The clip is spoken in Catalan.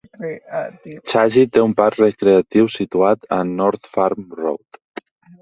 Chazy té un parc recreatiu situat a North Farm Road.